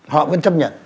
họ vẫn chấp nhận